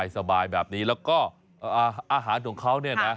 สบายแบบนี้แล้วก็อาหารของเขาเนี่ยนะ